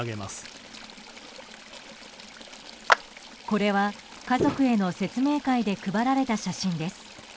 これは家族への説明会で配られた写真です。